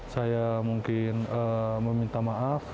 saya mungkin meminta maaf